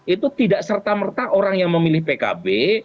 itu tidak serta merta orang yang memilih pkb